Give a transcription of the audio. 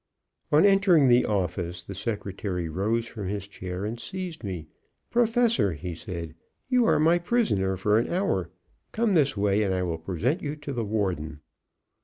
On entering the office, the secretary rose from his chair and seized me. "Professor," he said, "you are my prisoner for an hour; come this way and I will present you to the warden."